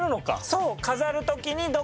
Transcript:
そう。